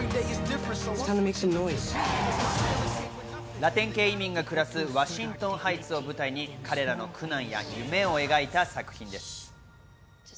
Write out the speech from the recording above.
ラテン系移民が暮らすワシントン・ハイツを舞台に彼らの苦難や夢を描いた作品です。